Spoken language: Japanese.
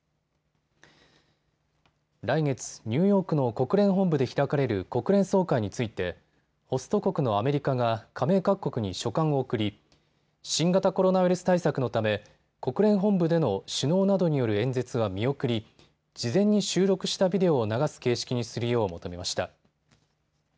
来月、ニューヨークの国連本部で開かれる国連総会についてホスト国のアメリカが加盟各国に書簡を送り、新型コロナウイルス対策のため国連本部での首脳などによる演説は見送り事前に収録したビデオを流す形式にするよう求めました。